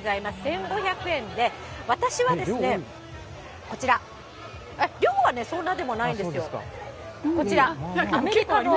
１５００円で、私はですね、こちら、量はそんなでもないんですよ、こちら、アメリカの。